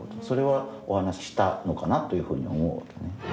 それはお話したのかなというふうには思う。